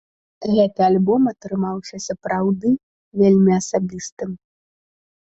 Гэты альбом атрымаўся сапраўды вельмі асабістым.